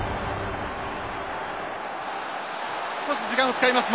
少し時間を使います。